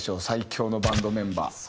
最強のバンドメンバー。